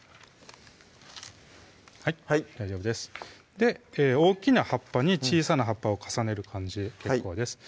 はい大丈夫です大きな葉っぱに小さな葉っぱを重ねる感じで結構です